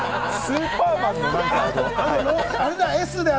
スーパーマンのあれ。